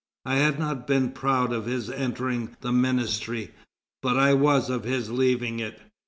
I had not been proud of his entering the ministry, but I was of his leaving it."